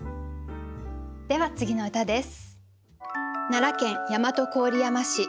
では次の歌です。